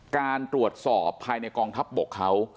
การตรวจสอบภายในกองทัพบกเขา